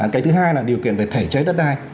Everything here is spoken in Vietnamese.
cái thứ hai là điều kiện về thể chế đất đai